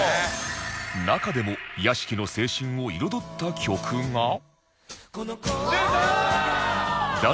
中でも屋敷の青春を彩った曲が出た！